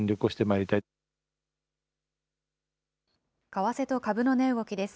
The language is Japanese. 為替と株の値動きです。